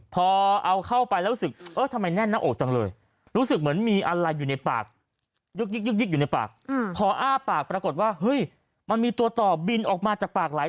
พอเอาเข้าไปแล้วรู้สึกเอ๊ะทำไมแน่นนะโอ๊ะจังเลย